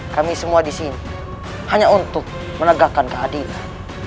kami semua di sini hanya untuk menegakkan keadilan